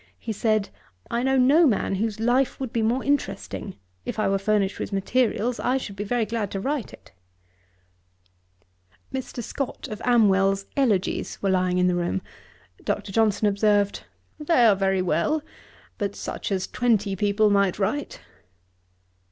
He said, 'I know no man whose Life would be more interesting. If I were furnished with materials, I should be very glad to write it.' Mr. Scott of Amwell's Elegies were lying in the room. Dr. Johnson observed, 'They are very well; but such as twenty people might write.'